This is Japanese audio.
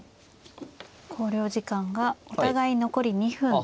考慮時間がお互い残り２分です。